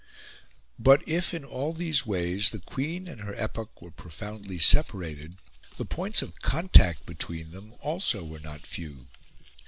But if, in all these ways, the Queen and her epoch were profoundly separated, the points of contact between them also were not few.